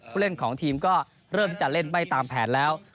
ผู้เล่นของทีมก็เริ่มที่จะเล่นไม่ตามแผนแล้ว